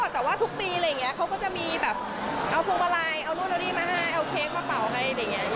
ก็แต่ว่าทุกปีเขาก็จะมีแบบเอาพวงมาลัยเอานู่นเอานี่มาให้เอาเค้กมาเป่าให้